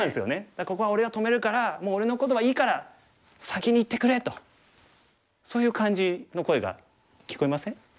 「だからここは俺が止めるからもう俺のことはいいから先にいってくれ」とそういう感じの声が聞こえません？